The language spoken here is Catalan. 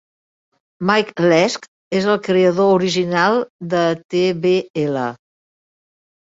Mike Lesk és el creador original de tbl.